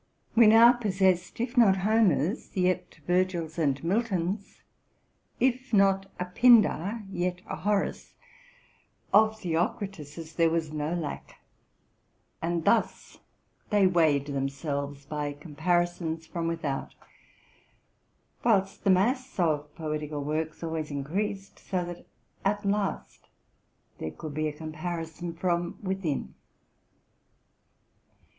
We now possessed, if not Homers, yet Virgils and Miltons; if not a Pindar, yet a Horace; of Theocrituses there was no lack: and thus they weighed themselves by comparisons from with out; whilst the mass of poetical works always increased, so that at last there could be a comparison from within.